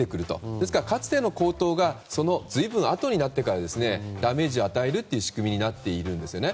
ですから、かつての高騰がその随分あとになってからダメージを与える仕組みになっているんですね。